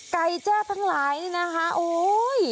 ไก่แจ้ทั้งหลายนี่นะคะโอ้ย